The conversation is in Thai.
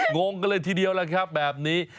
งงกันเลยทีเดียวแบบนี้